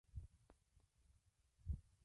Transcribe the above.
Una fractura en ambas piernas terminó su carrera.